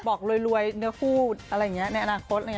บอกรวยเนื้อผู้ในอนาคต